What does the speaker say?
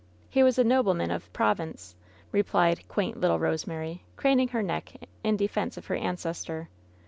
He was a nobleman of Provence,'* replied quaint little Eose mary, craning her neck in defense of her ancestor.